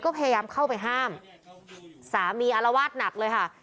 ก็พยายามเข้าไปห้ามสามีอารวาสหนักเลยค่ะ